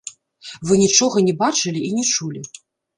Вы нічога не бачылі і не чулі.